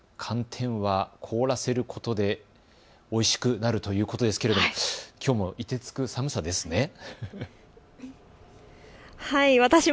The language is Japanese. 市村さん、寒天は凍らせることでおいしくなるということですけれどもきょうもいてつく寒さですね。